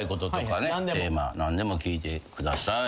テーマ何でも聞いてください。